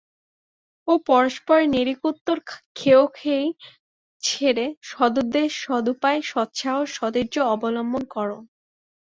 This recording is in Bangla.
ও পরস্পরের নেড়িকুত্তোর খেয়োখেয়ী ছেড়ে সদুদ্দেশ্য, সদুপায়, সৎসাহস, সদ্বীর্য অবলম্বন কর।